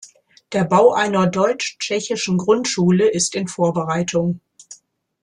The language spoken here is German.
Der Bau einer deutsch-tschechischen Grundschule ist in Vorbereitung.